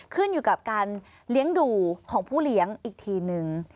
ขึ้นอยู่กับการเลี้ยงดูของผู้เลี้ยงอีกทีนึง